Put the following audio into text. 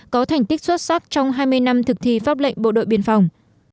có thành tích xuất sắc trong hai mươi năm thực thi pháp lệnh bộ đội biên phòng